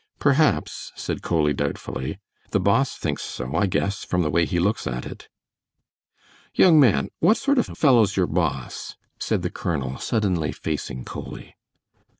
"Perhaps," said Coley, doubtfully, "the boss thinks so, I guess, from the way he looks at it." "Young man, what sort of a fellow's your boss?" said the colonel, suddenly facing Coley.